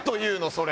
それ。